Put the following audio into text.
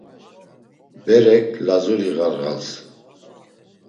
Berek Lazuri ğarğals.